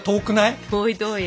遠い遠い。